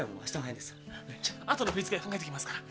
じゃあとの振り付け考えときますから。